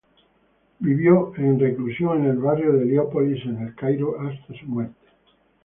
Vivió en reclusión en el barrio de Heliópolis de El Cairo hasta su muerte.